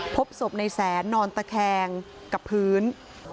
พบศพในแสนนอนตะแคงกับพื้น